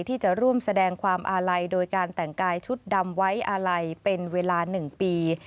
ที่จะร่วมแสดงความอาลัยโดยการแต่งกายชุดดำไว้อาลัยเป็นเวลา๑ปี